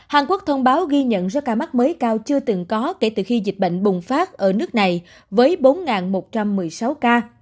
hàn quốc thông báo ghi nhận số ca mắc mới cao chưa từng có kể từ khi dịch bệnh bùng phát ở nước này với bốn một trăm một mươi sáu ca